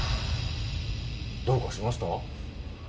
どうかしました？